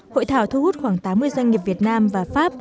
hội thảo thu hút khoảng tám mươi doanh nghiệp việt nam và pháp